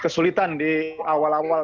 kesulitan di awal awal